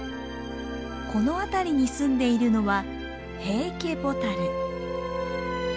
この辺りにすんでいるのはヘイケボタル。